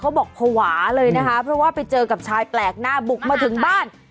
บอกภาวะเลยนะคะเพราะว่าไปเจอกับชายแปลกหน้าบุกมาถึงบ้าน